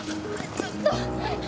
ちょっと。